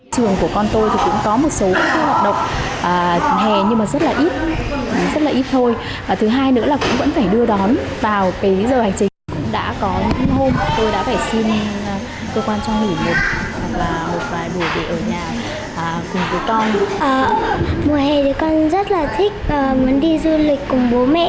thì con rất là thích muốn đi du lịch cùng bố mẹ và bố mẹ ở nhà chơi với con